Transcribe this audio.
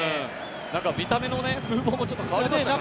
見た目の風貌もちょっと変わりましたからね。